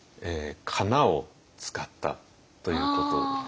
かなを使ったということですね。